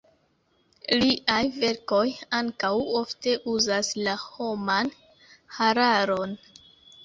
Liaj verkoj ankaŭ ofte uzas la homan hararon.